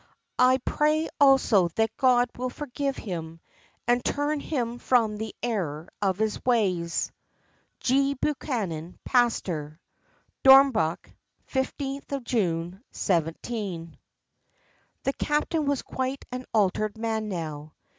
I pray also that God will forgive him, and turn him from the error of his ways. "G. BUCHMAN, Pastor. "Dornbach, 15th June, 17—." The captain was quite an altered man now.